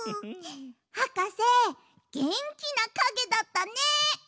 はかせげんきなかげだったね！